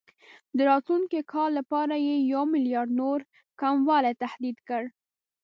د راتلونکي کال لپاره یې یو میلیارډ نور کموالي تهدید کړ.